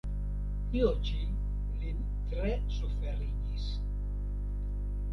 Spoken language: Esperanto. Tio ĉi lin tre suferigis.